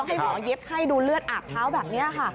ให้หมอเย็บให้ดูเลือดอาบเท้าแบบนี้ค่ะ